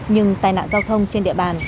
nhưng tai nạn giao thông trên địa bàn